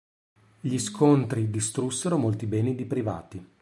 Gli scontri distrussero molti beni di privati.